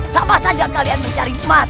siapa saja kalian mencari mati